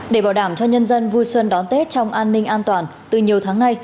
để bảo đảm cho nhân dân vui xuân đón tết trong an ninh an toàn từ nhiều tháng nay